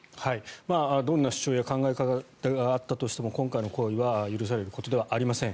どんな主張や考え方があったとしても今回の行為は許されることではありません。